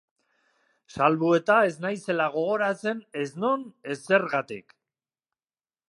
Salbu eta ez naizela gogoratzen ez non ez zergatik.